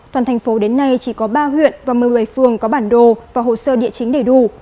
toàn thành phố đến nay chỉ có ba huyện và một mươi bảy phường có bản đồ và hồ sơ địa chính đầy đủ